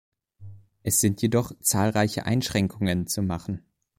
Es sind jedoch zahlreiche Einschränkungen zu machen.